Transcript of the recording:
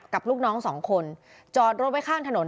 ลูกน้องสองคนจอดรถไว้ข้างถนน